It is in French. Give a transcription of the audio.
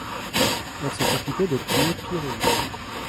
Elles sont équipées de pneus Pirelli.